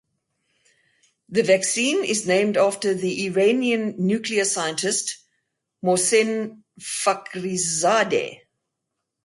The vaccine is named after the Iranian nuclear scientist Mohsen Fakhrizadeh.